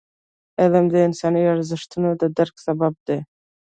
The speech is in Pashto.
علم د انساني ارزښتونو د درک سبب دی.